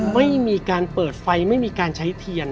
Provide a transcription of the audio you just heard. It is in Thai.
ไม่มีการเปิดไฟไม่มีการใช้เทียน